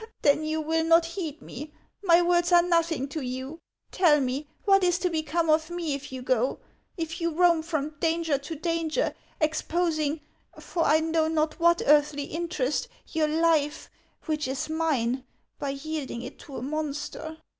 " Then you will not heed me ? My words are nothing to you ? Tell me, what is to become of me if you go ; if you roam from danger to danger, exposing — for I know not what earthly interest — your life, which is mine, by yielding it to a monster